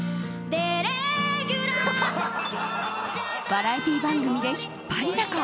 バラエティー番組で引っ張りだこ。